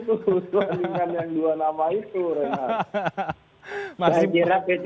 sebandingkan yang dua nama itu